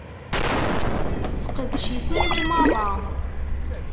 Sseqdec-itent merra!